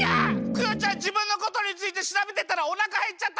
クヨちゃんじぶんのことについてしらべてたらおなかへっちゃった！